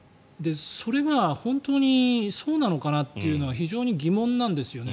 それは本当にそうなのかなっていうのが非常に疑問なんですよね。